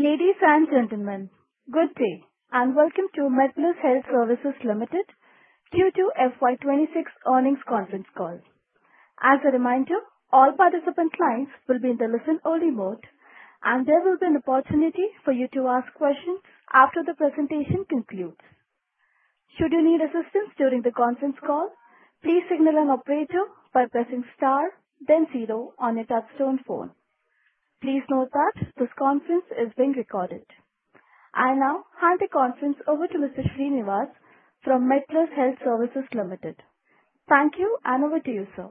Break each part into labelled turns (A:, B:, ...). A: Ladies and gentlemen, good day and welcome to MedPlus Health Services Limited Q2 FY 2026 earnings conference call. As a reminder, all participant lines will be in the listen-only mode, and there will be an opportunity for you to ask questions after the presentation concludes. Should you need assistance during the conference call, please signal an operator by pressing star then zero on your touch-tone phone. Please note that this conference is being recorded. I now hand the conference over to Mr. Shriniwas from MedPlus Health Services Limited. Thank you, and over to you, sir.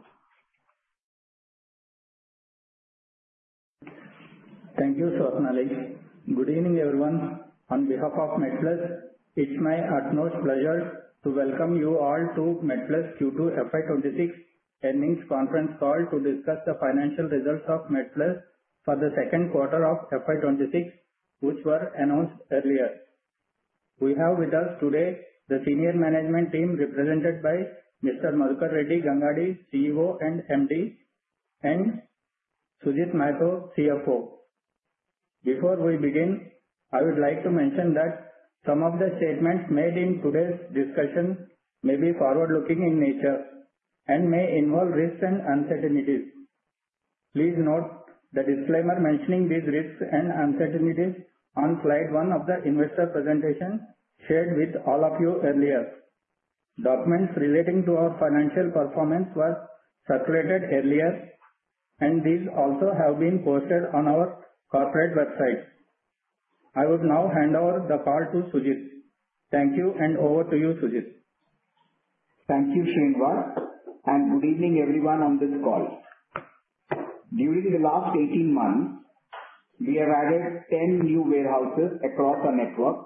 B: Thank you, Seetharaman. Good evening, everyone. On behalf of MedPlus, it's my utmost pleasure to welcome you all to MedPlus Q2 FY 2026 earnings conference call to discuss the financial results of MedPlus for the second quarter of FY 2026, which were announced earlier. We have with us today the senior management team represented by Mr. Madhukar Reddy Gangadi, CEO and MD, and Sujit Mahato, CFO. Before we begin, I would like to mention that some of the statements made in today's discussion may be forward-looking in nature and may involve risks and uncertainties. Please note the disclaimer mentioning these risks and uncertainties on slide one of the investor presentation shared with all of you earlier. Documents relating to our financial performance were circulated earlier, and these also have been posted on our corporate website. I would now hand over the call to Sujit. Thank you, and over to you, Sujit.
C: Thank you, Srinivas, and good evening, everyone, on this call. During the last 18 months, we have added 10 new warehouses across our network.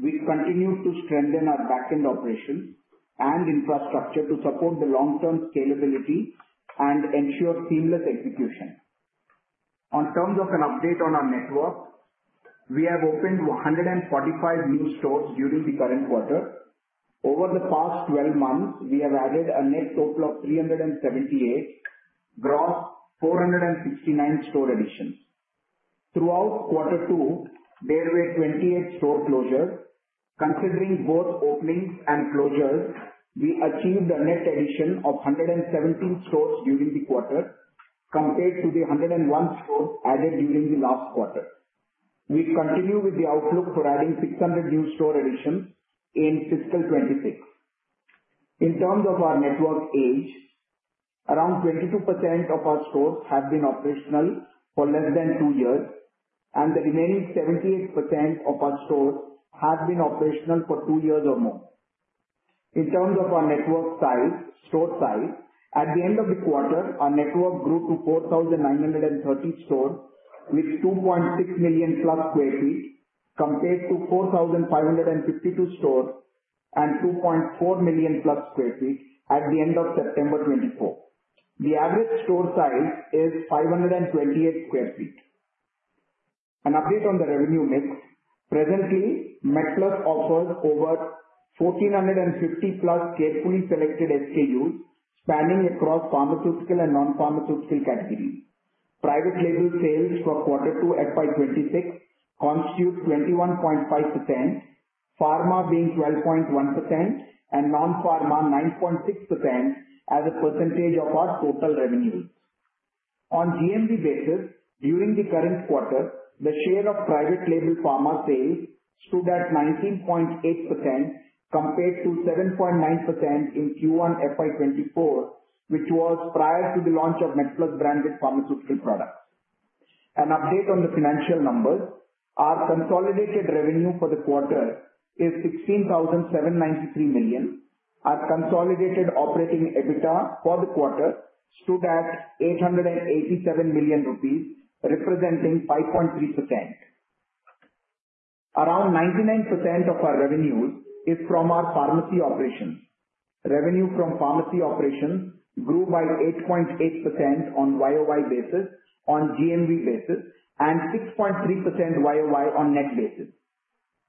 C: We continue to strengthen our backend operations and infrastructure to support the long-term scalability and ensure seamless execution. In terms of an update on our network, we have opened 145 new stores during the current quarter. Over the past 12 months, we have added a net total of 378, gross 469 store additions. Throughout quarter two, there were 28 store closures. Considering both openings and closures, we achieved a net addition of 117 stores during the quarter compared to the 101 stores added during the last quarter. We continue with the outlook for adding 600 new store additions in fiscal 2026. In terms of our network age, around 22% of our stores have been operational for less than two years, and the remaining 78% of our stores have been operational for two years or more. In terms of our network size, store size, at the end of the quarter, our network grew to 4,930 stores with 2.6 million plus sq ft compared to 4,552 stores and 2.4 million plus sq ft at the end of September 2024. The average store size is 528 sq ft. An update on the revenue mix. Presently, MedPlus offers over 1,450 plus carefully selected SKUs spanning across pharmaceutical and non-pharmaceutical categories. Private label sales for quarter two FY 2026 constitute 21.5%, pharma being 12.1%, and non-pharma 9.6% as a percentage of our total revenues. On GMV basis, during the current quarter, the share of private label pharma sales stood at 19.8% compared to 7.9% in Q1 FY 2024, which was prior to the launch of MedPlus branded pharmaceutical products. An update on the financial numbers. Our consolidated revenue for the quarter is 16,793 million. Our consolidated operating EBITDA for the quarter stood at 887 million rupees, representing 5.3%. Around 99% of our revenues is from our pharmacy operations. Revenue from pharmacy operations grew by 8.8% on YoY basis, on GMV basis, and 6.3% YoY on net basis.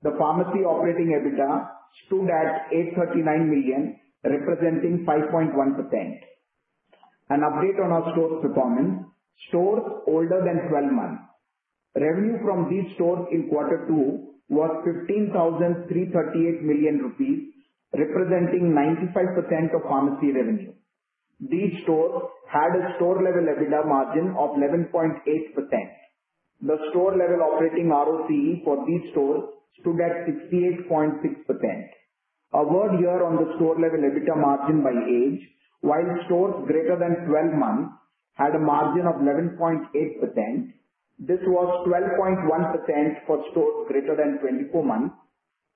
C: The pharmacy operating EBITDA stood at 839 million, representing 5.1%. An update on our stores performance. Stores older than 12 months. Revenue from these stores in quarter two was 15,338 million rupees, representing 95% of pharmacy revenue. These stores had a store-level EBITDA margin of 11.8%. The store-level operating ROCE for these stores stood at 68.6%. A word here on the store-level EBITDA margin by age. While stores greater than 12 months had a margin of 11.8%, this was 12.1% for stores greater than 24 months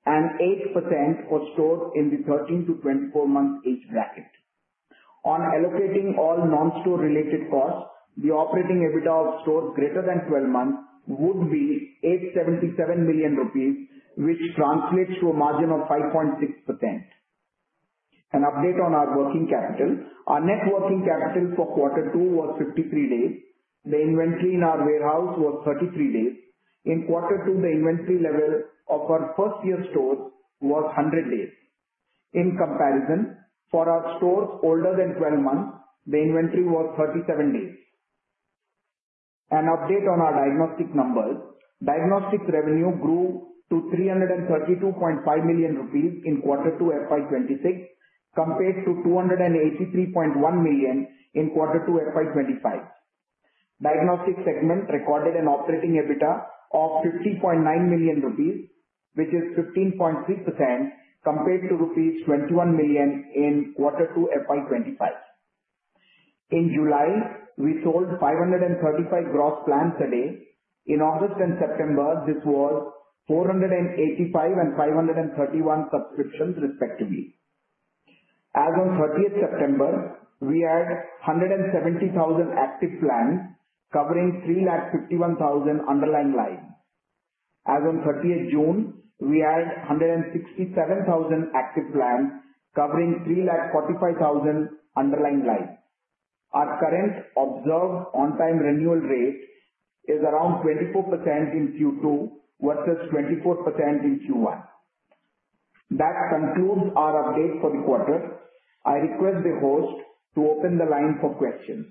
C: and 8% for stores in the 13 to 24 months age bracket. On allocating all non-store related costs, the operating EBITDA of stores greater than 12 months would be 877 million rupees, which translates to a margin of 5.6%. An update on our working capital. Our net working capital for quarter two was 53 days. The inventory in our warehouse was 33 days. In quarter two, the inventory level of our first-year stores was 100 days. In comparison, for our stores older than 12 months, the inventory was 37 days. An update on our diagnostic numbers. Diagnostic revenue grew to 332.5 million rupees in quarter two FY 2026 compared to 283.1 million in quarter two FY 2025. Diagnostic segment recorded an operating EBITDA of 50.9 million rupees, which is 15.3% compared to rupees 21 million in quarter two FY 2025. In July, we sold 535 gross plans a day. In August and September, this was 485 and 531 subscriptions, respectively. As of 30th September, we had 170,000 active plans covering 351,000 underlying lines. As of 30th June, we had 167,000 active plans covering 345,000 underlying lines. Our current observed on-time renewal rate is around 24% in Q2 versus 24% in Q1. That concludes our update for the quarter. I request the host to open the line for questions.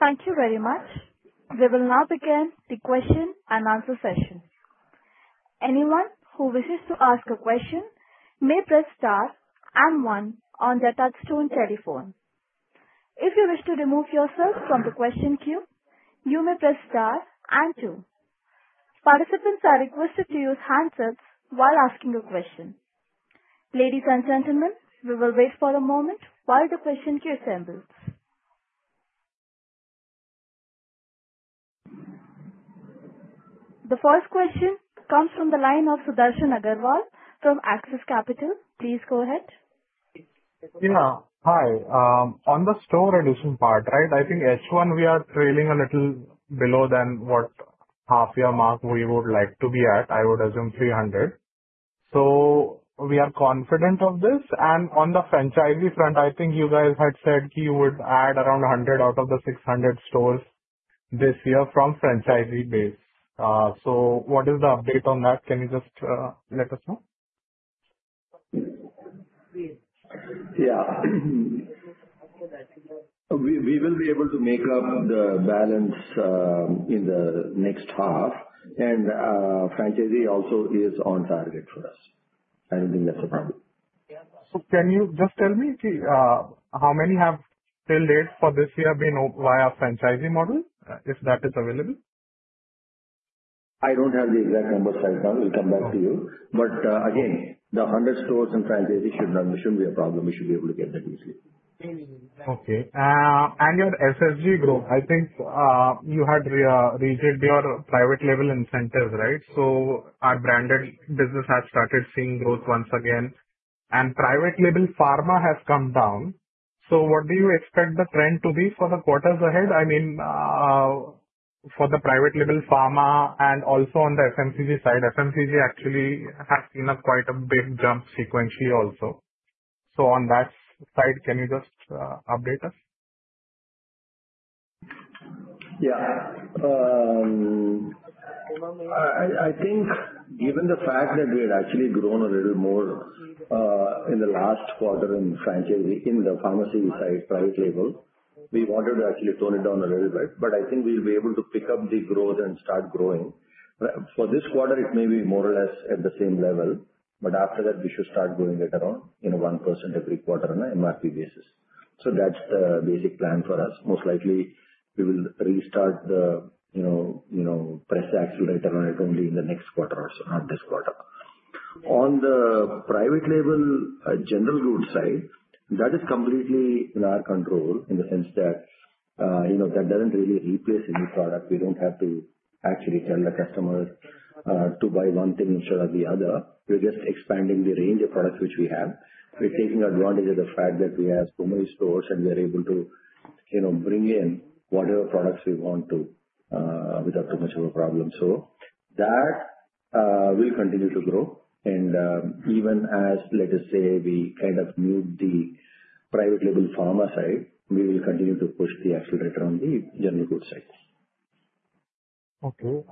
A: Thank you very much. We will now begin the question and answer session. Anyone who wishes to ask a question may press star and one on their touchstone telephone. If you wish to remove yourself from the question queue, you may press star and two. Participants are requested to use handsets while asking a question. Ladies and gentlemen, we will wait for a moment while the question queue assembles. The first question comes from the line of Sudarshan Agarwal from Axis Capital. Please go ahead.
D: Yeah. Hi. On the store addition part, right, I think H1 we are trailing a little below than what half-year mark we would like to be at. I would assume 300. So we are confident of this. And on the franchisee front, I think you guys had said you would add around 100 out of the 600 stores this year from franchisee base. So what is the update on that? Can you just let us know?
C: Yeah. We will be able to make up the balance in the next half. And franchisee also is on target for us. I don't think that's a problem.
D: So can you just tell me how many have still planned for this year via franchisee model, if that is available?
C: I don't have the exact numbers right now. We'll come back to you. But again, the 100 stores and franchisee shouldn't be a problem. We should be able to get that easily.
D: Okay. And your SSG growth, I think you had reached your private label incentives, right? So our branded business has started seeing growth once again. And private label pharma has come down. So what do you expect the trend to be for the quarters ahead? I mean, for the private label pharma and also on the FMCG side, FMCG actually has seen quite a big jump sequentially also. So on that side, can you just update us?
C: Yeah. I think given the fact that we had actually grown a little more in the last quarter in the pharmacy side, private label, we wanted to actually tone it down a little bit. But I think we'll be able to pick up the growth and start growing. For this quarter, it may be more or less at the same level. But after that, we should start going at around 1% every quarter on an MRP basis. So that's the basic plan for us. Most likely, we will restart the pace accelerator on it only in the next quarter or so, not this quarter. On the private label general goods side, that is completely in our control in the sense that that doesn't really replace any product. We don't have to actually tell the customer to buy one thing instead of the other. We're just expanding the range of products which we have. We're taking advantage of the fact that we have so many stores and we are able to bring in whatever products we want to without too much of a problem, so that will continue to grow, and even as, let us say, we kind of need the private label pharma side, we will continue to push the accelerator on the general goods side.
D: Okay.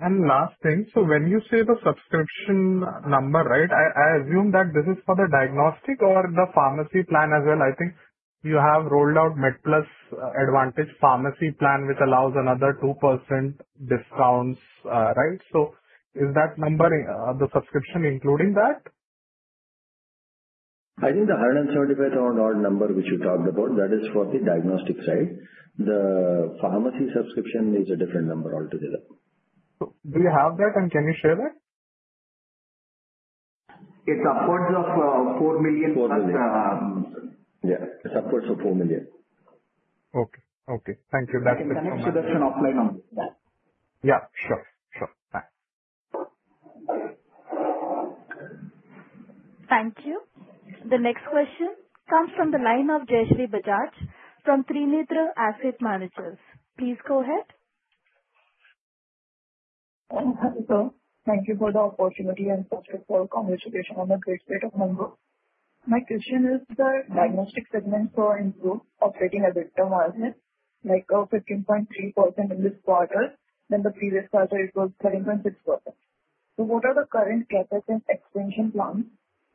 D: And last thing. So when you say the subscription number, right, I assume that this is for the diagnostic or the pharmacy plan as well. I think you have rolled out MedPlus Advantage Pharmacy Plan, which allows another 2% discounts, right? So is that number the subscription including that?
C: I think the 175 number which you talked about, that is for the diagnostic side. The pharmacy subscription is a different number altogether.
D: Do you have that? And can you share that?
C: It's upwards of four million.
D: 4 million.
C: Yeah. It's upwards of 4 million.
D: Okay. Okay. Thank you. That's the question.
C: I think that's an offline number.
D: Yeah. Sure. Sure. Thanks.
A: Thank you. The next question comes from the line of Jayshree Bajaj from Trinetra Asset Managers. Please go ahead.
E: Hi, sir. Thank you for the opportunity and first of all, congratulations on the great state of Mumbai. My question is, the diagnostic segment saw improved operating EBITDA margin like 15.3% in this quarter than the previous quarter. It was 13.6%. So what are the current CapEx and expansion plans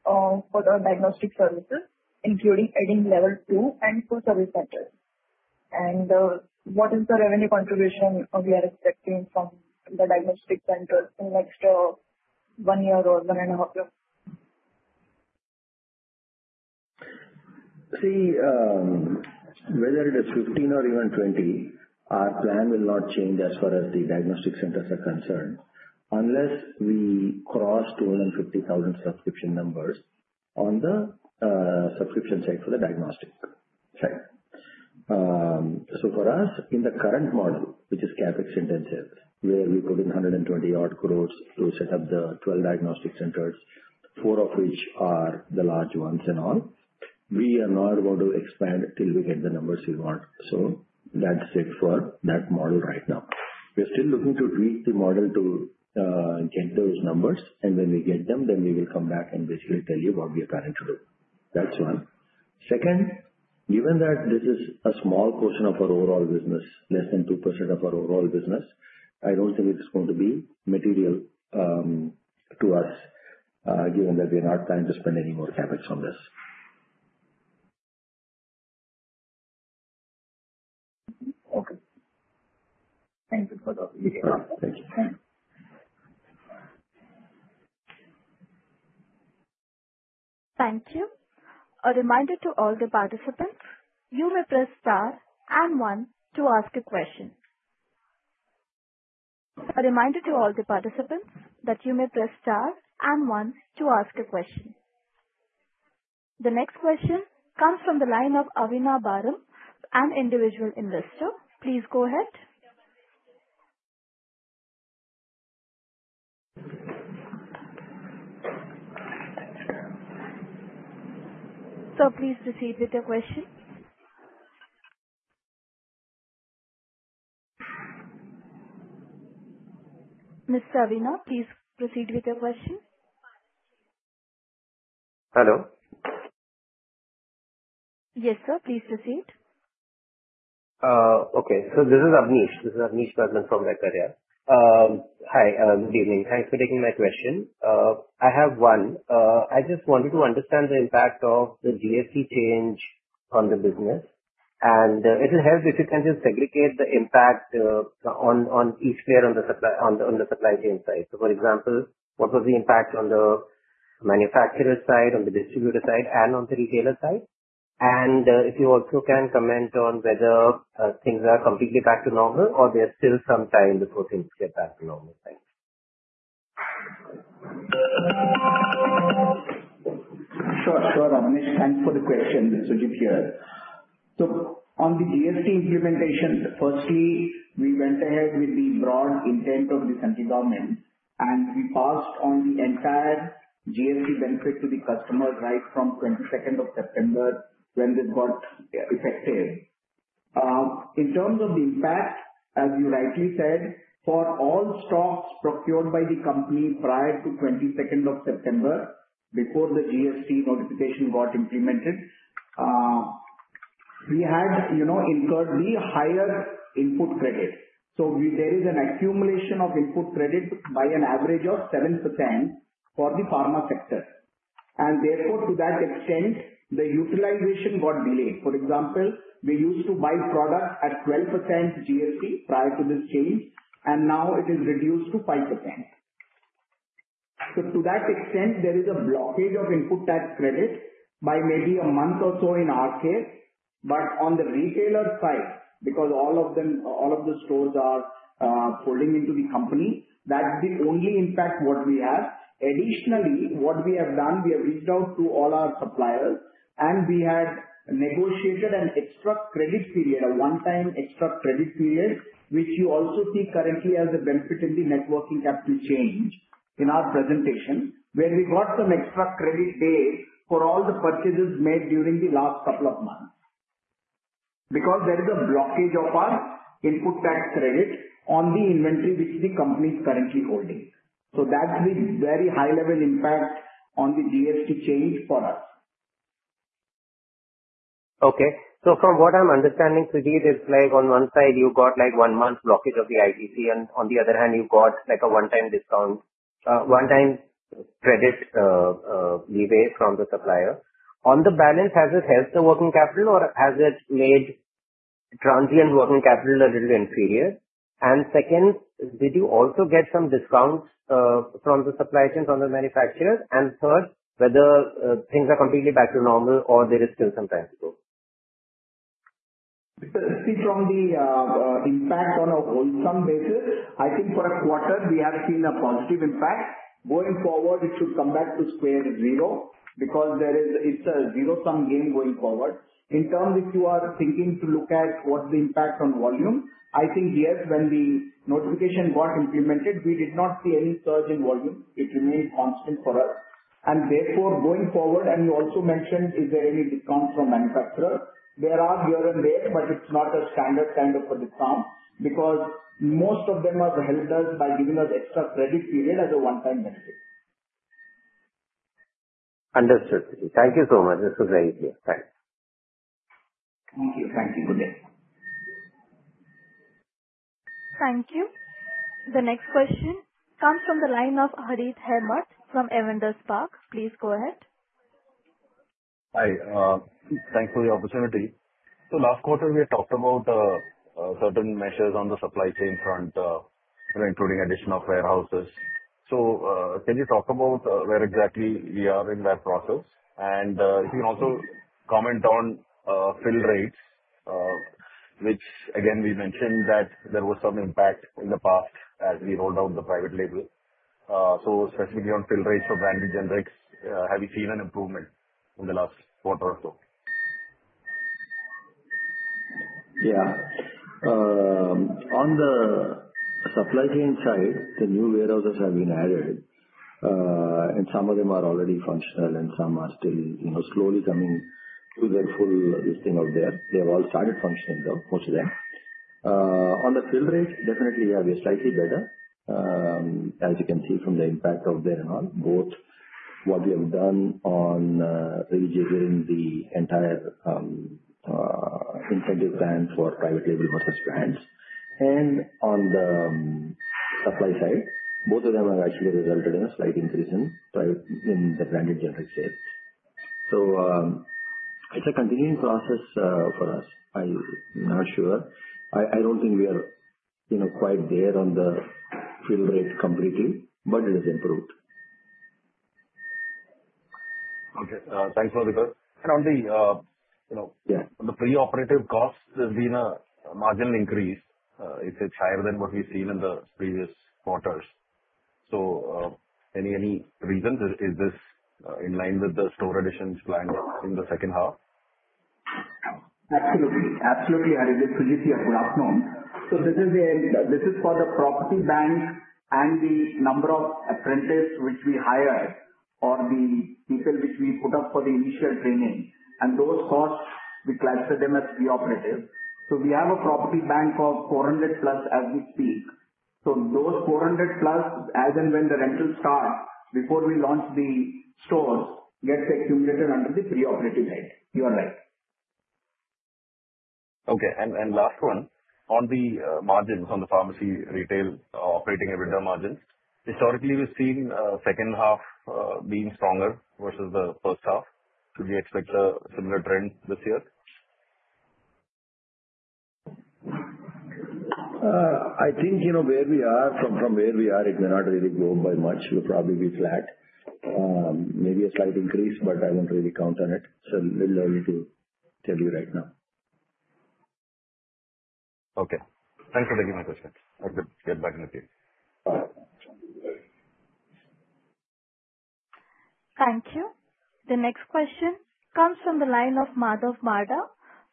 E: for the diagnostic services, including adding level two and full-service centers? And what is the revenue contribution we are expecting from the diagnostic centers in the next one year or one and a half year?
C: See, whether it is 15 or even 20, our plan will not change as far as the diagnostic centers are concerned unless we cross 250,000 subscription numbers on the subscription side for the diagnostic side. So for us, in the current model, which is CapEx intensive, where we put in 120-odd crores to set up the 12 diagnostic centers, four of which are the large ones and all, we are not about to expand till we get the numbers we want. So that's it for that model right now. We're still looking to tweak the model to get those numbers. And when we get them, then we will come back and basically tell you what we are planning to do. That's one. Second, given that this is a small portion of our overall business, less than 2% of our overall business, I don't think it's going to be material to us given that we are not planning to spend any more Capex on this.
E: Okay. Thank you for the details.
C: Thank you.
A: Thank you. A reminder to all the participants, you may press star and one to ask a question. A reminder to all the participants that you may press star and one to ask a question. The next question comes from the line of Avneesh Padmanabhan, an individual investor. Please go ahead. So please proceed with your question. Mr. Avneesh, please proceed with your question. Hello? Yes, sir. Please proceed. Okay. So this is Avneesh. This is Avneesh Padman from Pecunia Capital. Hi. Good evening. Thanks for taking my question. I have one. I just wanted to understand the impact of the GST change on the business. And it'll help if you can just segregate the impact on each player on the supply chain side. So for example, what was the impact on the manufacturer side, on the distributor side, and on the retailer side? And if you also can comment on whether things are completely back to normal or there's still some time before things get back to normal?
C: Sure. Sure, Avneesh. Thanks for the question. So just here. So on the GST implementation, firstly, we went ahead with the broad intent of the central government, and we passed on the entire GST benefit to the customers right from 22nd of September when this got effective. In terms of the impact, as you rightly said, for all stocks procured by the company prior to 22nd of September, before the GST notification got implemented, we had incurred the higher input credit. So there is an accumulation of input credit by an average of 7% for the pharma sector. And therefore, to that extent, the utilization got delayed. For example, we used to buy products at 12% GST prior to this change, and now it is reduced to 5%. So to that extent, there is a blockage of input tax credit by maybe a month or so in our case. But on the retailer side, because all of the stores are folding into the company, that's the only impact that we have. Additionally, what we have done, we have reached out to all our suppliers, and we had negotiated an extra credit period, a one-time extra credit period, which you also see currently as a benefit in the net working capital change in our presentation, where we got some extra credit days for all the purchases made during the last couple of months. Because there is a blockage of our input tax credit on the inventory which the company is currently holding. So that's the very high-level impact on the GST change for us. Okay. So from what I'm understanding, Sujit, it's like on one side, you got like one-month blockage of the ITC, and on the other hand, you got like a one-time discount, one-time credit leeway from the supplier. On balance, has it helped the working capital, or has it made net working capital a little inferior? And second, did you also get some discounts from the supply chains on the manufacturers? And third, whether things are completely back to normal or there is still some time to go? Speaking on the impact on a wholesale basis, I think for a quarter, we have seen a positive impact. Going forward, it should come back to square zero because it's a zero-sum game going forward. In terms of if you are thinking to look at what's the impact on volume, I think yes, when the notification got implemented, we did not see any surge in volume. It remained constant for us. And therefore, going forward, and you also mentioned, is there any discount from manufacturers? There are here and there, but it's not a standard kind of a discount because most of them have helped us by giving us extra credit period as a one-time benefit. Understood. Thank you so much. This was very clear. Thanks. Thank you. Thank you. Good day.
A: Thank you. The next question comes from the line of Harith Ahamed from Avendus Spark. Please go ahead.
F: Hi. Thanks for the opportunity. So last quarter, we had talked about certain measures on the supply chain front, including addition of warehouses. So can you talk about where exactly we are in that process? And if you can also comment on fill rates, which again, we mentioned that there was some impact in the past as we rolled out the private label. So specifically on fill rates for branded generics, have you seen an improvement in the last quarter or so?
C: Yeah. On the supply chain side, the new warehouses have been added, and some of them are already functional, and some are still slowly coming to their full listing thereof. They have all started functioning, though. Most of them. On the fill rate, definitely, we have a slightly better, as you can see from the impact thereof and all, both what we have done on rejiggering the entire incentive plan for private label versus brands. And on the supply side, both of them have actually resulted in a slight increase in the branded generic sales. So it's a continuing process for us. I'm not sure. I don't think we are quite there on the fill rate completely, but it has improved.
F: Okay. Thanks for the question. And on the pre-operative costs, there's been a marginal increase. It's higher than what we've seen in the previous quarters. So any reason? Is this in line with the store additions planned in the second half?
C: Absolutely. Absolutely, Harith. It's Sujit. Good afternoon. So this is for the Property Bank and the number of apprentices which we hired or the people which we put up for the initial training. And those costs, we classify them as pre-operative. So we have a Property Bank of 400-plus as we speak. So those 400-plus, as and when the rentals start, before we launch the stores, gets accumulated under the pre-operative head. You are right.
F: Okay. And last one, on the margins on the pharmacy retail operating EBITDA margins, historically, we've seen second half being stronger versus the first half. Should we expect a similar trend this year?
C: I think where we are, from where we are, it may not really grow by much. It will probably be flat. Maybe a slight increase, but I won't really count on it. It's a little early to tell you right now.
F: Okay. Thanks for taking my question. I'll get back in a few.
A: Thank you. The next question comes from the line of Madhav Marda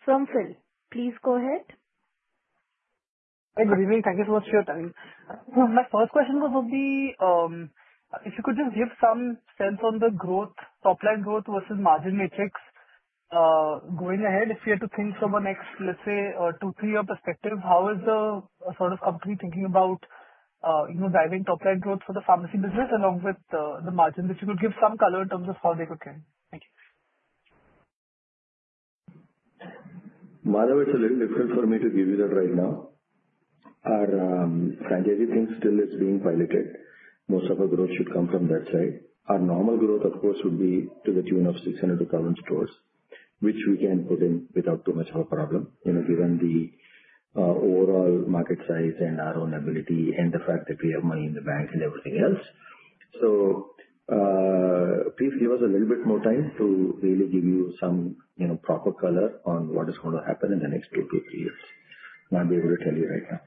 A: from Fidelity International. Please go ahead.
G: Hi, good evening. Thank you so much for your time. My first question was of the, if you could just give some sense on the growth, top-line growth versus margin metrics going ahead, if you had to think from a next, let's say, two, three-year perspective, how is the sort of company thinking about driving top-line growth for the pharmacy business along with the margin, which you could give some color in terms of how they could trend? Thank you.
C: Madhav, it's a little different for me to give you that right now. Our franchisee thing still is being piloted. Most of our growth should come from that side. Our normal growth, of course, would be to the tune of 600-1,000 stores, which we can put in without too much of a problem given the overall market size and our own ability and the fact that we have money in the bank and everything else. So please give us a little bit more time to really give you some proper color on what is going to happen in the next two to three years. I'll be able to tell you right now.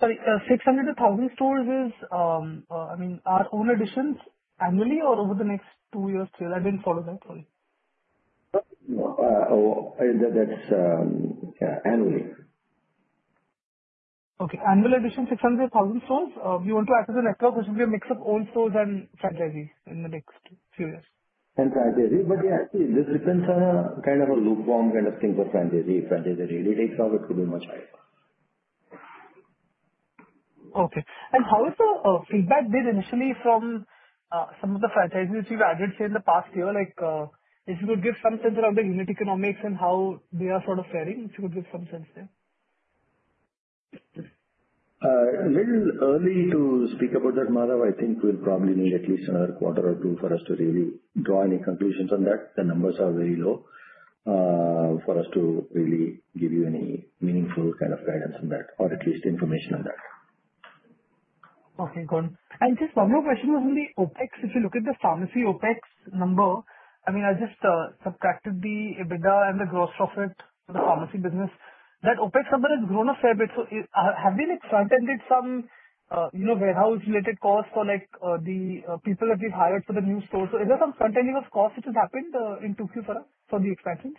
G: Sorry, 600-1,000 stores is, I mean, our own additions annually or over the next two years? I didn't follow that. Sorry.
C: That's annually.
G: Okay. Annual addition, 600-1,000 stores? You want to add to the network, which would be a mix of old stores and franchisees in the next few years?
C: And franchisees. But yeah, this depends on a kind of a loop-on kind of thing for franchisees. If franchisee really takes off, it could be much higher.
G: Okay. And how is the feedback initially from some of the franchisees you've added here in the past year? If you could give some sense around the unit economics and how they are sort of faring, if you could give some sense there?
C: A little early to speak about that, Madhav. I think we'll probably need at least another quarter or two for us to really draw any conclusions on that. The numbers are very low for us to really give you any meaningful kind of guidance on that or at least information on that.
G: Okay. Got it. And just one more question was on the OpEx. If you look at the pharmacy OpEx number, I mean, I just subtracted the EBITDA and the gross profit for the pharmacy business. That OpEx number has grown a fair bit. So have we front-ended some warehouse-related costs for the people that we've hired for the new stores? So is there some front-ending of costs which has happened in this quarter for the expansions?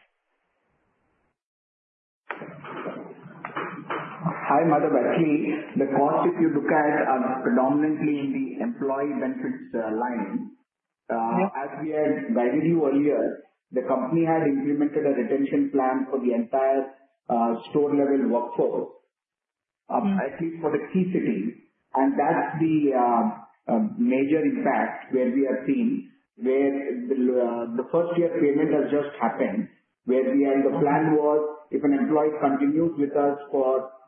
H: Hi, Madhav. Actually, the cost, if you look at, are predominantly in the employee benefits line. As we had guided you earlier, the company had implemented a retention plan for the entire store-level workforce, at least for the key cities. And that's the major impact where we have seen, where the first-year payment has just happened, where the plan was if an employee continues with us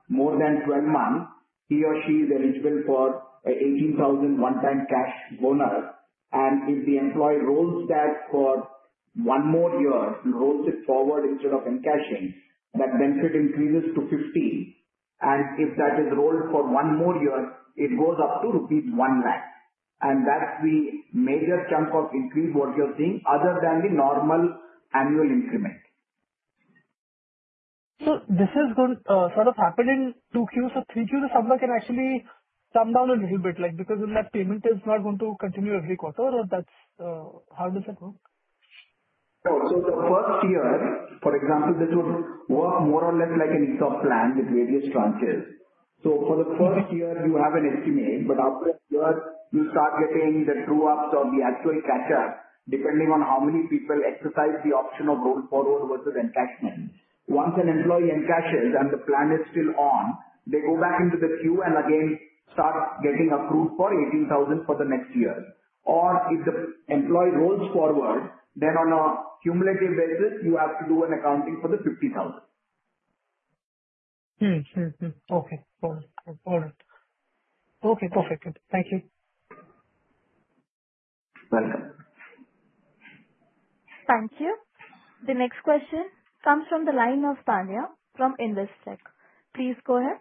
H: for more than 12 months, he or she is eligible for an 18,000 one-time cash bonus. And if the employee rolls that for one more year and rolls it forward instead of encashing, that benefit increases to 15,000. And if that is rolled for one more year, it goes up to rupees 1,000,000. And that's the major chunk of increase what you're seeing other than the normal annual increment.
G: So this has sort of happened in Tokyo. So Tokyo somewhere can actually come down a little bit because then that payment is not going to continue every quarter, or how does that work?
H: So the first year, for example, this would work more or less like an ESOP plan with various tranches. So for the first year, you have an estimate, but after a year, you start getting the true ups or the actual catch-up depending on how many people exercise the option of roll forward versus encashment. Once an employee encashes and the plan is still on, they go back into the queue and again start getting accrued for 18,000 for the next year. Or if the employee rolls forward, then on a cumulative basis, you have to do an accounting for the 50,000.
G: Okay. Got it. Okay. Perfect. Thank you.
C: Welcome.
A: Thank you. The next question comes from the line of Tanya from Investec. Please go ahead.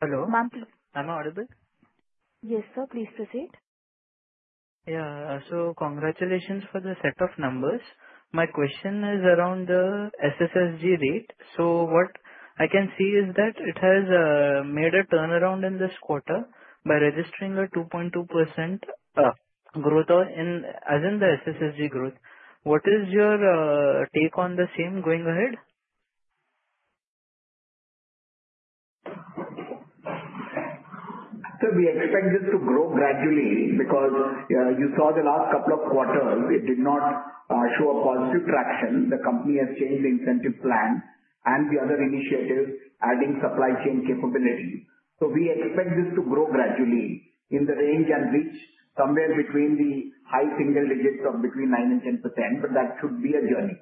I: Hello. I'm audible?
A: Yes, sir. Please proceed.
I: Yeah. So congratulations for the set of numbers. My question is around the SSSG rate. So what I can see is that it has made a turnaround in this quarter by registering a 2.2% growth as in the SSSG growth. What is your take on the same going ahead?
H: So we expect this to grow gradually because you saw the last couple of quarters, it did not show a positive traction. The company has changed the incentive plan and the other initiatives, adding supply chain capability. So we expect this to grow gradually in the range and reach somewhere between the high single digits of between 9 and 10%, but that should be a journey.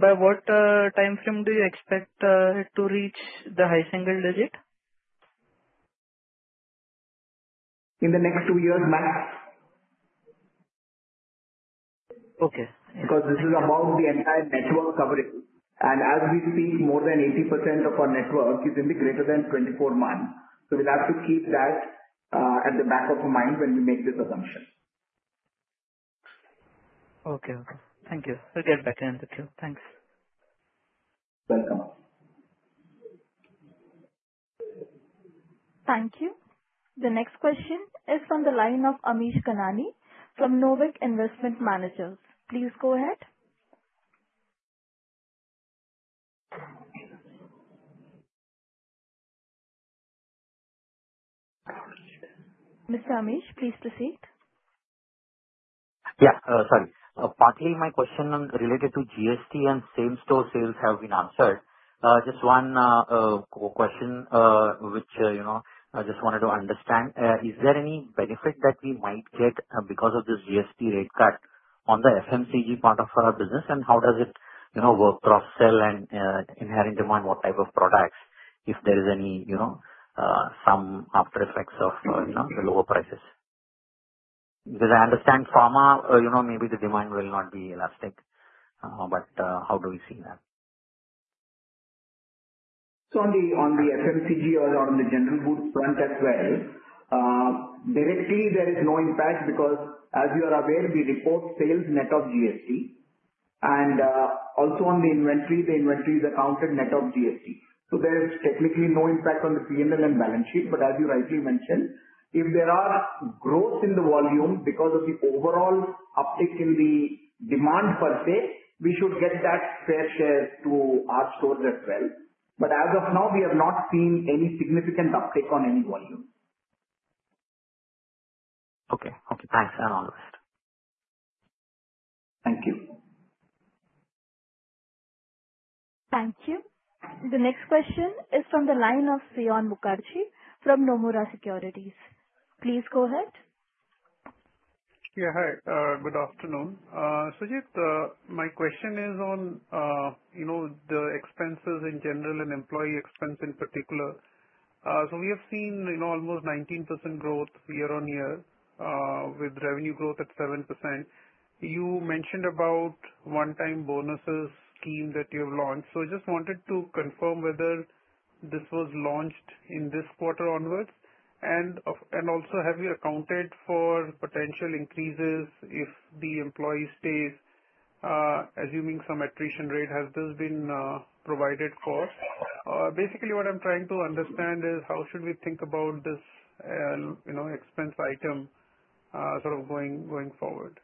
I: By what time frame do you expect it to reach the high single digit?
H: In the next two years, max.
I: Okay.
C: Because this is about the entire network coverage. And as we speak, more than 80% of our network is in the greater than 24 months. So we'll have to keep that at the back of mind when we make this assumption.
I: Okay. Okay. Thank you. We'll get back in a bit. Thanks.
C: Welcome.
A: Thank you. The next question is from the line of Amish Kanani from Molecule Ventures. Please go ahead. Mr. Amish, please proceed.
J: Yeah. Sorry. Partly, my question related to GST and same-store sales have been answered. Just one question which I just wanted to understand. Is there any benefit that we might get because of this GST rate cut on the FMCG part of our business, and how does it work for upsell and inherent demand, what type of products, if there is any some aftereffects of the lower prices? Because I understand pharma, maybe the demand will not be elastic, but how do we see that?
H: On the FMCG or on the general goods front as well, directly, there is no impact because, as you are aware, we report sales net of GST, and also on the inventory, the inventory is accounted net of GST, so there is technically no impact on the P&L and balance sheet, but as you rightly mentioned, if there are growth in the volume because of the overall uptick in the demand per se, we should get that fair share to our stores as well, but as of now, we have not seen any significant uptake on any volume.
J: Okay. Okay. Thanks. I'm all the best.
H: Thank you.
A: Thank you. The next question is from the line of Saion Mukherjee from Nomura Securities. Please go ahead.
K: Yeah. Hi. Good afternoon. Sujit, my question is on the expenses in general and employee expense in particular. So we have seen almost 19% growth year on year with revenue growth at 7%. You mentioned about one-time bonuses scheme that you have launched. So I just wanted to confirm whether this was launched in this quarter onwards. And also, have you accounted for potential increases if the employee stays, assuming some attrition rate? Has this been provided for? Basically, what I'm trying to understand is how should we think about this expense item sort of going forward?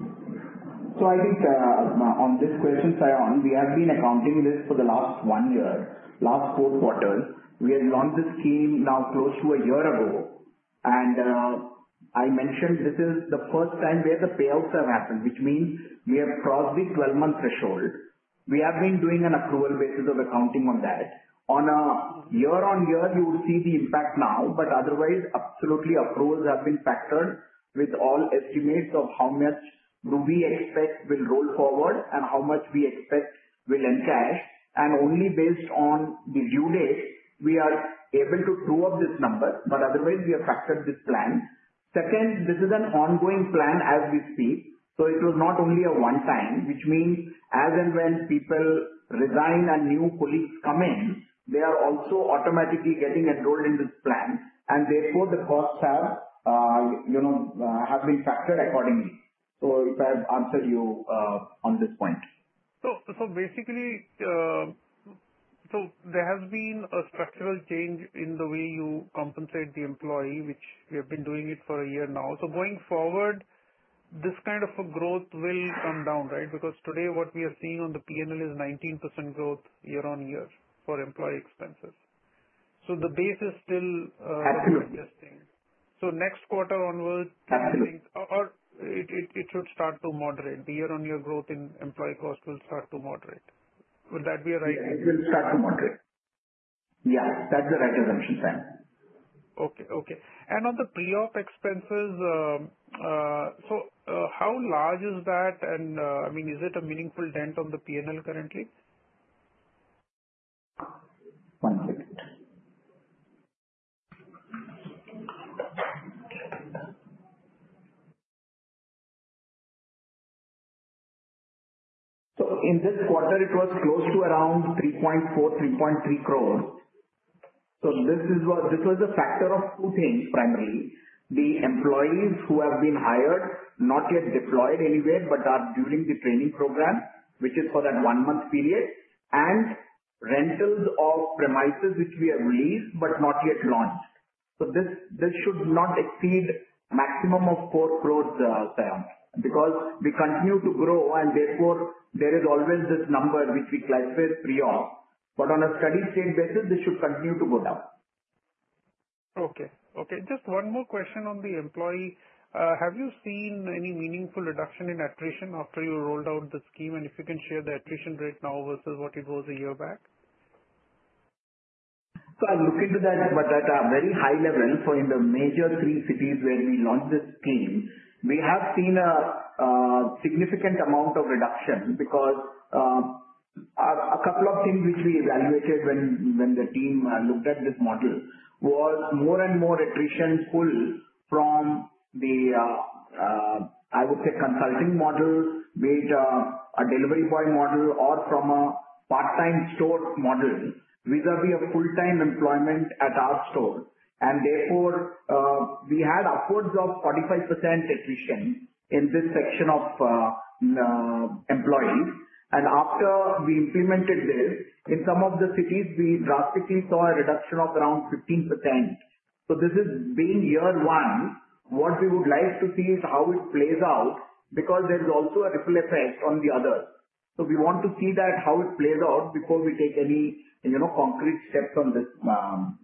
H: So I think on this question, we have been accounting this for the last one year, last four quarters. We had launched the scheme now close to a year ago. And I mentioned this is the first time where the payouts have happened, which means we have crossed the 12-month threshold. We have been doing an accrual basis of accounting on that. On a year-on-year, you would see the impact now, but otherwise, absolutely, accruals have been factored with all estimates of how much do we expect will roll forward and how much we expect will encash. And only based on the due date, we are able to prove up this number, but otherwise, we have factored this plan. Second, this is an ongoing plan as we speak. So it was not only a one-time, which means as and when people resign and new colleagues come in, they are also automatically getting enrolled in this plan. And therefore, the costs have been factored accordingly. So if I have answered you on this point.
K: So basically, so there has been a structural change in the way you compensate the employee, which we have been doing it for a year now. So going forward, this kind of growth will come down, right? Because today, what we are seeing on the P&L is 19% growth year-on-year for employee expenses. So the base is still adjusting. So next quarter onward, it should start to moderate. The year-on-year growth in employee cost will start to moderate. Would that be right?
H: It will start to moderate. Yeah. That's the right assumption, Sam.
K: Okay. Okay. And on the pre-op expenses, so how large is that? And I mean, is it a meaningful dent on the P&L currently?
C: One second. So in this quarter, it was close to around 3.4, 3.3 crores. So this was a factor of two things primarily. The employees who have been hired, not yet deployed anywhere, but are during the training program, which is for that one-month period, and rentals of premises, which we have leased but not yet launched. So this should not exceed maximum of 4 crores, Saion, because we continue to grow, and therefore, there is always this number which we clutch with pre-op. But on a steady-state basis, this should continue to go down.
K: Okay. Okay. Just one more question on the employee. Have you seen any meaningful reduction in attrition after you rolled out the scheme? And if you can share the attrition rate now versus what it was a year back?
C: So I'll look into that, but at a very high level. In the major three cities where we launched the scheme, we have seen a significant amount of reduction because a couple of things which we evaluated when the team looked at this model was more and more attrition pull from the, I would say, consulting model made a delivery boy model or from a part-time store model vis-à-vis a full-time employment at our store. And therefore, we had upwards of 45% attrition in this section of employees. And after we implemented this, in some of the cities, we drastically saw a reduction of around 15%. This is being year one. What we would like to see is how it plays out because there's also a ripple effect on the others. So we want to see that how it plays out before we take any concrete steps on this plan.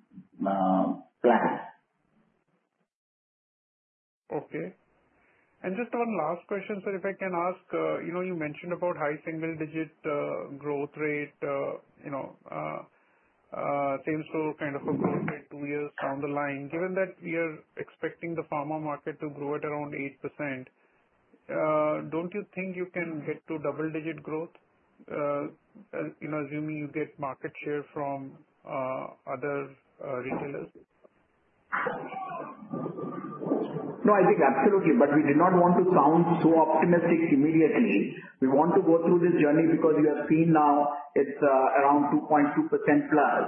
K: Okay. And just one last question, sir, if I can ask. You mentioned about high single-digit growth rate, same-store kind of a growth rate two years down the line. Given that we are expecting the pharma market to grow at around 8%, don't you think you can get to double-digit growth, assuming you get market share from other retailers?
C: No, I think absolutely. But we do not want to sound so optimistic immediately. We want to go through this journey because we have seen now it's around 2.2% plus.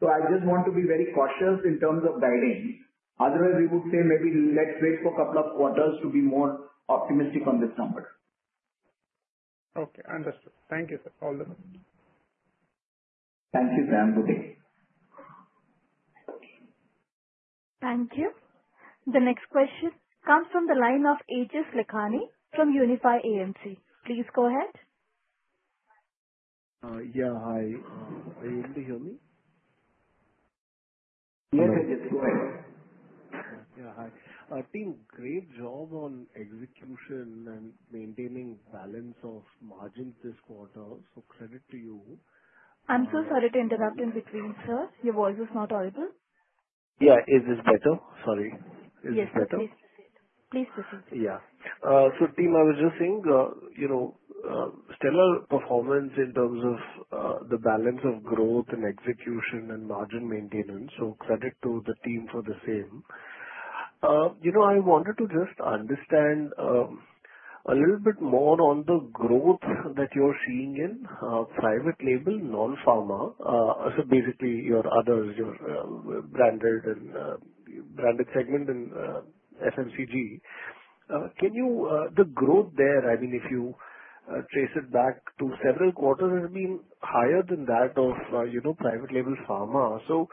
C: So I just want to be very cautious in terms of guidance. Otherwise, we would say maybe let's wait for a couple of quarters to be more optimistic on this number.
K: Okay. Understood. Thank you, sir. All the best.
C: Thank you, Sam. Good day.
A: Thank you. The next question comes from the line of Aejas Lakhani from Unifi Capital. Please go ahead.
L: Yeah. Hi. Are you able to hear me?
C: Yes, Aejas. Go ahead.
L: Yeah. Hi. Team, great job on execution and maintaining balance of margins this quarter. So credit to you.
A: I'm so sorry to interrupt in between, sir. Your voice is not audible.
L: Yeah. Is this better? Sorry. Is this better?
A: Yes. Please proceed. Please proceed.
L: Yeah. So team, I was just saying stellar performance in terms of the balance of growth and execution and margin maintenance. So credit to the team for the same. I wanted to just understand a little bit more on the growth that you're seeing in private label, non-pharma. So basically, your others, your branded segment in FMCG. The growth there, I mean, if you trace it back to several quarters, it has been higher than that of private label pharma. So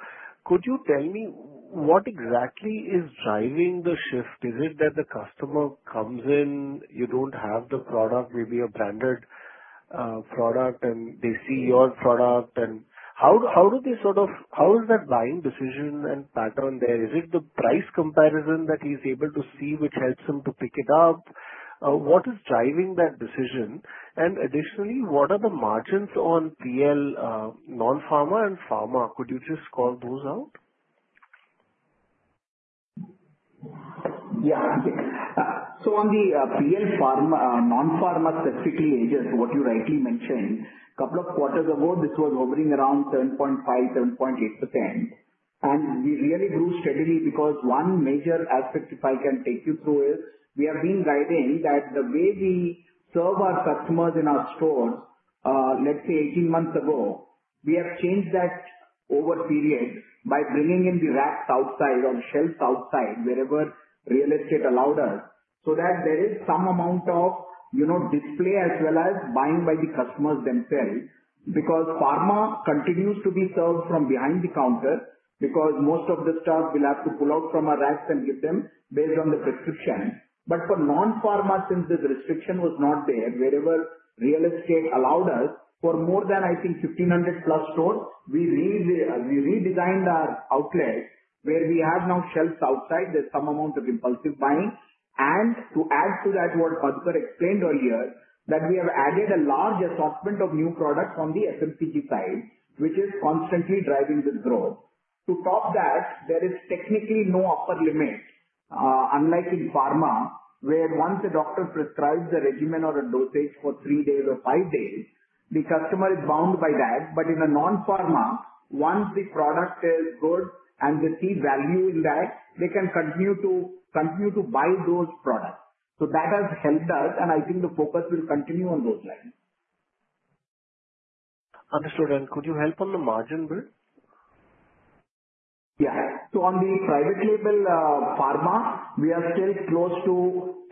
L: could you tell me what exactly is driving the shift? Is it that the customer comes in, you don't have the product, maybe a branded product, and they see your product? And how do they sort of how is that buying decision and pattern there? Is it the price comparison that he's able to see, which helps him to pick it up? What is driving that decision? Additionally, what are the margins on PL, non-pharma, and pharma? Could you just call those out?
C: Yeah, so on the PL, non-pharma specifically, Ajay, what you rightly mentioned, a couple of quarters ago, this was hovering around 7.5%-7.8%. We really grew steadily because one major aspect, if I can take you through, is we have been guiding that the way we serve our customers in our stores, let's say 18 months ago, we have changed that over period by bringing in the racks outside or shelves outside wherever real estate allowed us so that there is some amount of display as well as buying by the customers themselves because pharma continues to be served from behind the counter because most of the stuff we'll have to pull out from our racks and give them based on the prescription. But for non-pharma, since this restriction was not there, wherever real estate allowed us for more than, I think, 1,500-plus stores, we redesigned our outlet where we have now shelves outside. There's some amount of impulsive buying. And to add to that, what Madhukar explained earlier, that we have added a large assortment of new products on the FMCG side, which is constantly driving this growth. To top that, there is technically no upper limit, unlike in pharma, where once a doctor prescribes a regimen or a dosage for three days or five days, the customer is bound by that. But in a non-pharma, once the product is good and they see value in that, they can continue to buy those products. So that has helped us, and I think the focus will continue on those lines.
L: Understood. And could you help on the margin build?
C: Yeah. So on the private label pharma, we are still close to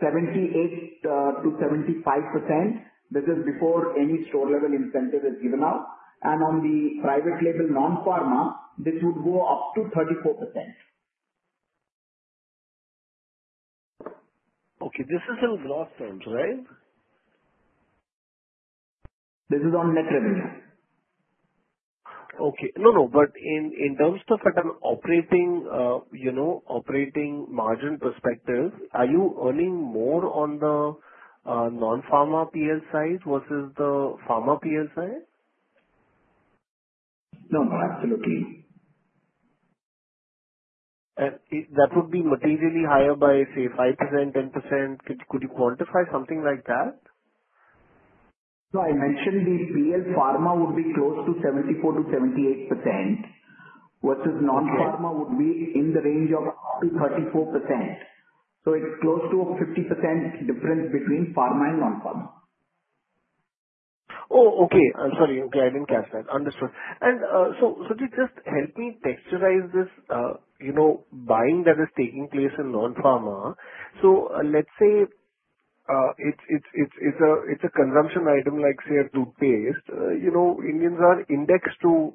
C: 78%-75%. This is before any store-level incentive is given out. And on the private label non-pharma, this would go up to 34%.
L: Okay. This is in gross terms, right?
C: This is on net revenue.
L: Okay. No, no. But in terms of an operating margin perspective, are you earning more on the non-pharma PL side versus the pharma PL side?
C: No, no. Absolutely.
L: That would be materially higher by, say, 5%, 10%. Could you quantify something like that?
C: So I mentioned the PL pharma would be close to 74%-78% versus non-pharma would be in the range of up to 34%. So it's close to a 50% difference between pharma and non-pharma.
L: Oh, okay. I'm sorry. Okay. I didn't catch that. Understood, and so Sujit, just help me texturize this buying that is taking place in non-pharma. So let's say it's a consumption item like, say, a toothpaste. Indians are indexed to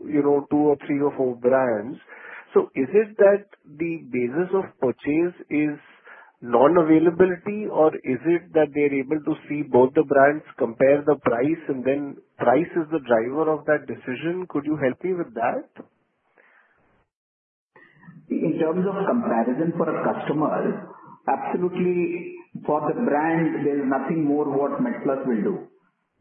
L: two or three or four brands. So is it that the basis of purchase is non-availability, or is it that they're able to see both the brands, compare the price, and then price is the driver of that decision? Could you help me with that?
C: In terms of comparison for a customer, absolutely, for the brand, there's nothing more what MedPlus will do.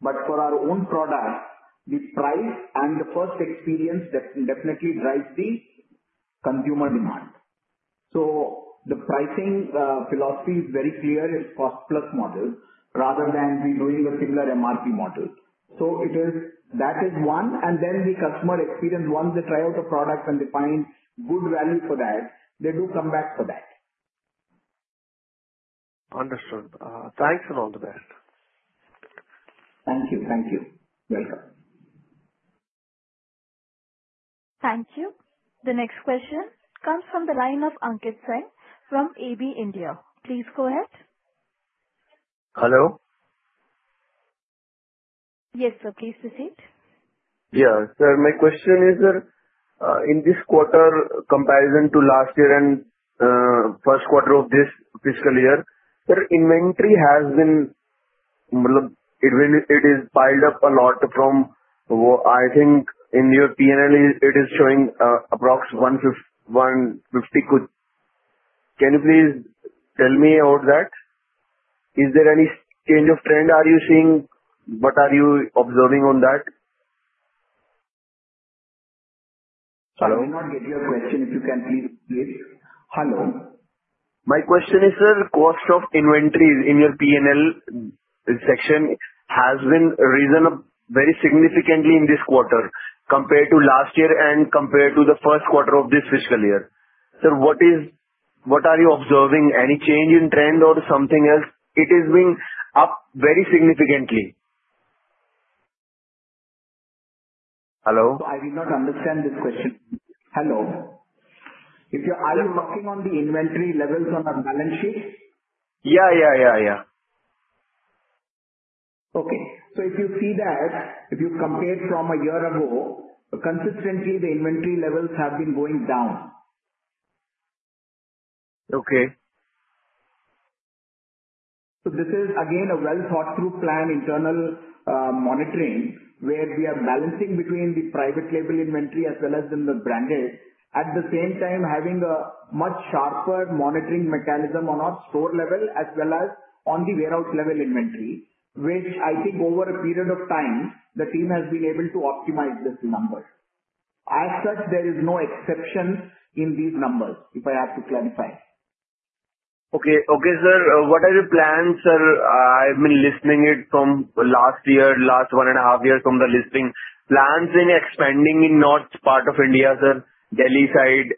C: But for our own product, the price and the first experience definitely drives the consumer demand. So the pricing philosophy is very clear. It's cost-plus model rather than we doing a similar MRP model. So that is one. And then the customer experience, once they try out a product and they find good value for that, they do come back for that.
L: Understood. Thanks and all the best.
C: Thank you. Thank you. Welcome.
A: Thank you. The next question comes from the line of Ankit Singh from AB India. Please go ahead. Hello? Yes, sir. Please proceed. Yeah. Sir, my question is, sir, in this quarter comparison to last year and first quarter of this fiscal year, sir, inventory has been it is piled up a lot from I think in your P&L, it is showing approximately 150. Can you please tell me about that? Is there any change of trend are you seeing? What are you observing on that?
C: Sorry, I did not get your question. If you can, please repeat. Hello. My question is, sir, cost of inventory in your P&L section has been risen very significantly in this quarter compared to last year and compared to the first quarter of this fiscal year. Sir, what are you observing? Any change in trend or something else? It is being up very significantly. Hello? I did not understand this question. Hello. Are you looking on the inventory levels on our balance sheet? Yeah, yeah, yeah, yeah. Okay. So if you see that, if you compared from a year ago, consistently, the inventory levels have been going down. Okay. So this is, again, a well-thought-through plan, internal monitoring, where we are balancing between the private label inventory as well as the branded, at the same time having a much sharper monitoring mechanism on our store level as well as on the warehouse level inventory, which I think over a period of time, the team has been able to optimize this number. As such, there is no exception in these numbers, if I have to clarify. Okay. Okay, sir. What are your plans, sir? I've been listening to it from last year, last one and a half year from the listing. Plans in expanding in North part of India, sir, Delhi side,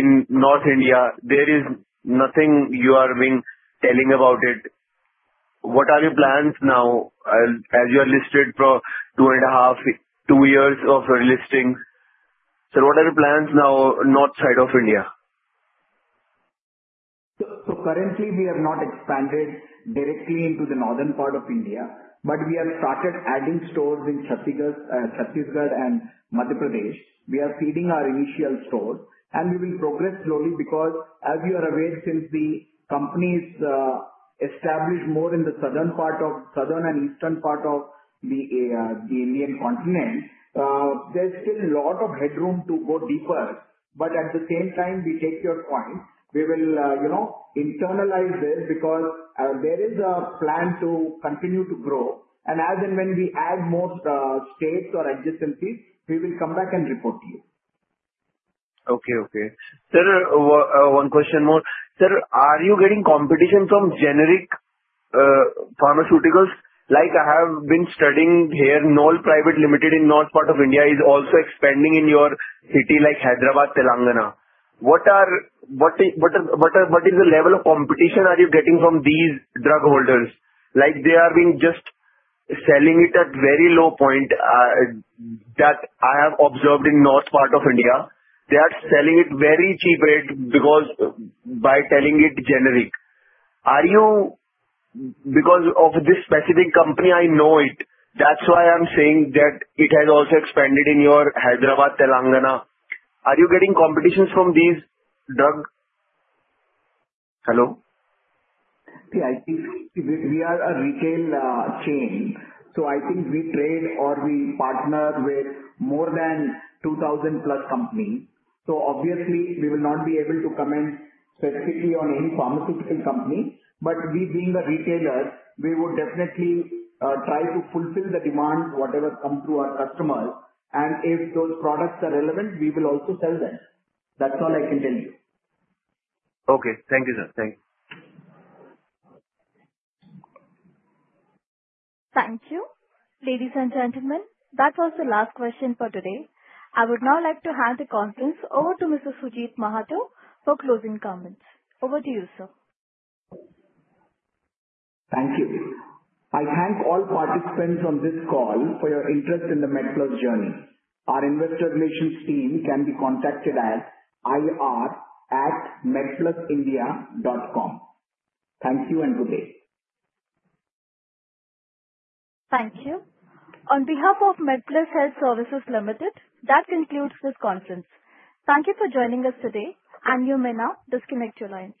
C: in North India. There is nothing you are being telling about it. What are your plans now as you are listed for two and a half, two years of listing? Sir, what are your plans now, North side of India? So currently, we have not expanded directly into the northern part of India, but we have started adding stores in Chhattisgarh and Madhya Pradesh. We are feeding our initial stores, and we will progress slowly because, as you are aware, since the companies established more in the southern part of southern and eastern part of the Indian continent, there's still a lot of headroom to go deeper. But at the same time, we take your point. We will internalize this because there is a plan to continue to grow. And as and when we add more states or adjacencies, we will come back and report to you. Okay. Okay. Sir, one question more. Sir, are you getting competition from generic pharmaceuticals? Like I have been studying here, Knoll Private Limited in North part of India is also expanding in your city like Hyderabad, Telangana. What is the level of competition are you getting from these drug holders? Like they are being just selling it at a very low point that I have observed in North part of India. They are selling it very cheap rate by telling it generic. Because of this specific company, I know it. That's why I'm saying that it has also expanded in your Hyderabad, Telangana. Are you getting competitions from these drug? Hello? See, I think we are a retail chain. So I think we trade or we partner with more than 2,000-plus companies. So obviously, we will not be able to comment specifically on any pharmaceutical company. But we, being a retailer, we would definitely try to fulfill the demand, whatever come through our customers. And if those products are relevant, we will also sell them. That's all I can tell you. Okay. Thank you, sir. Thank you.
A: Thank you. Ladies and gentlemen, that was the last question for today. I would now like to hand the conference over to Mr. Sujit Mahato for closing comments. Over to you, sir.
C: Thank you. I thank all participants on this call for your interest in the MedPlus journey. Our investor relations team can be contacted at ir@medplusindia.com. Thank you and good day.
A: Thank you. On behalf of MedPlus Health Services Limited, that concludes this conference. Thank you for joining us today. You may now disconnect your lines.